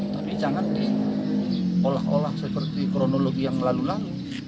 tapi jangan diolah olah seperti kronologi yang lalu lalu